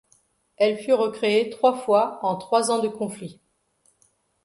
Elle fut recréée trois fois en trois ans de conflit.